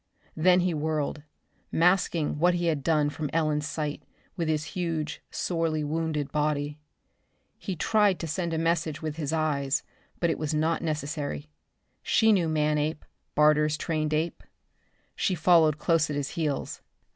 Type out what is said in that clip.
Then he whirled, masking what he had done from Ellen's sight with his huge, sorely wounded body. He tried to send her a message with his eyes, but it was not necessary. She knew Manape, Barter's trained ape. She followed close at his heels.